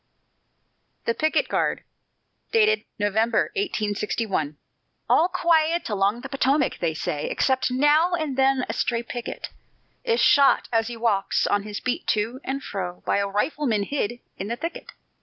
THE PICKET GUARD [November, 1861] "All quiet along the Potomac," they say, "Except now and then a stray picket Is shot, as he walks on his beat to and fro, By a rifleman hid in the thicket.